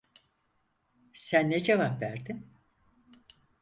Sen ne cevap verdin?